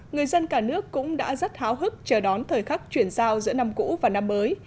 người dân cả nước cũng đã rất háo hức chờ đón thời khắc chuyển giao giữa năm cũ và năm mới